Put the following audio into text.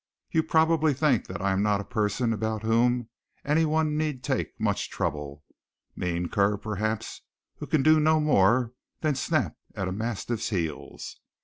You probably think that I am not a person about whom any one need take much trouble; a mean cur, perhaps, who can do no more than snap at a mastiff's heels.